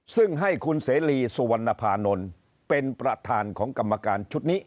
ซึ่งให้คุณเสรีสุวรรณภานนท์เป็นประธานของกรรมการชุดนี้